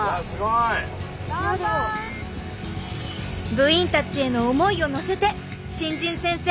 部員たちへの思いを乗せて新人先生